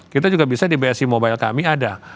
kita juga bisa di bsi mobile kami ada